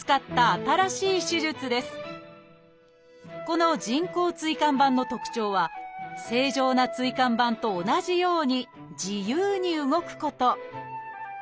この人工椎間板の特徴は正常な椎間板と同じように自由に動くこと